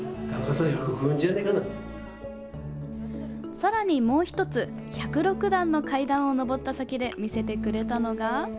さらにもう１つ１０６段の階段を上った先で見せてくれたのが。